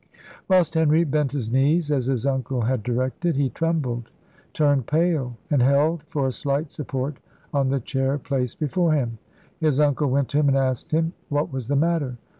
Whilst Henry bent his knees, as his uncle had directed, he trembled, turned pale, and held, for a slight support, on the chair placed before him. His uncle went to him, and asked him "What was the matter."